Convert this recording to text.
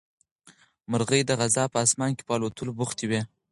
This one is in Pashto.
مرغۍ د غزا په اسمان کې په الوتلو بوختې وې.